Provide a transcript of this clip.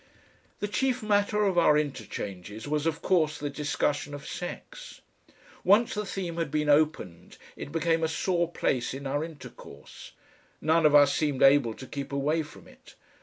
The chief matter of our interchanges was of course the discussion of sex. Once the theme had been opened it became a sore place in our intercourse; none of us seemed able to keep away from it.